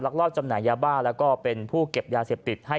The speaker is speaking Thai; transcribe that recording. ลอบจำหน่ายยาบ้าแล้วก็เป็นผู้เก็บยาเสพติดให้